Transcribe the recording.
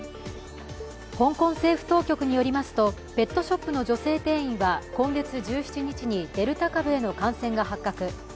香港政府当局によりますとペットショップの女性店員は今月１７日にデルタ株への感染が発覚。